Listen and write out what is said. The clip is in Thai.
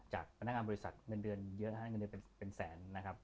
จากบริษัทหนังงานมาเนินอยู่เยอะห้านหลายบริษัทเป็นแสน